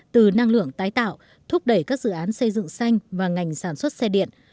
từ năng lượng tái tạo thúc đẩy các dự án xây dựng xanh và ngành sản xuất xe điện